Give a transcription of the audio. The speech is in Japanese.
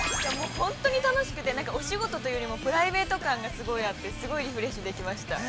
◆本当に楽しくて、お仕事というよりもプライベート感がすごいあってすごいリフレッシュできました。